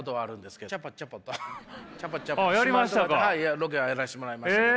ロケはやらせてもらいましたけど。